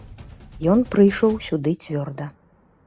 Ён прыйшоў сюды цвёрда.